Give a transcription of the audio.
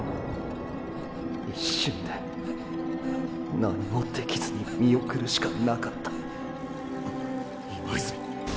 一瞬で何もできずに見送るしかなかった今泉！